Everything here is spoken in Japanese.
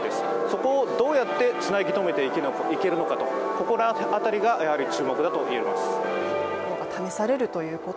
そこをどうやってつなぎ止めていけるのか、ここら辺りが注目だと思います。